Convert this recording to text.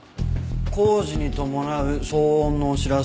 「工事に伴う騒音のお知らせ」